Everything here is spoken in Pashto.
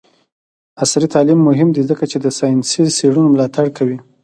عصري تعلیم مهم دی ځکه چې د ساینسي څیړنو ملاتړ کوي.